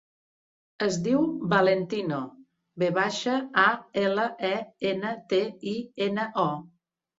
Es diu Valentino: ve baixa, a, ela, e, ena, te, i, ena, o.